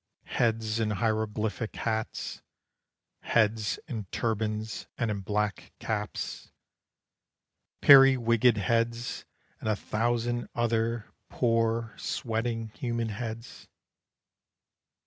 Heads in hieroglyphic hats, Heads in turbans and in black caps, Periwigged heads, and a thousand other Poor, sweating human heads.